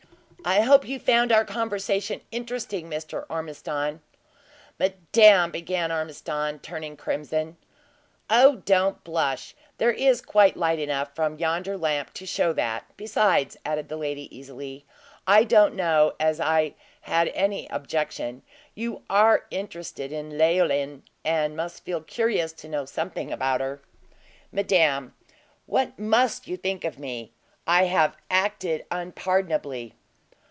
I hope you found our conversation interesting, Mr. Ormiston!" "Madame!" began Ormiston, turning crimson. "Oh, don't blush; there is quite light enough from yonder lamp to show that. Besides," added the lady, easily, "I don't know as I had any objection; you are interested in Leoline, and must feel curious to know something about her." "Madame, what must you think of me? I have acted unpardonably."